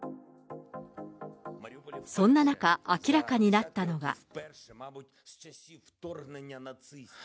そんな中、明らかになったのが。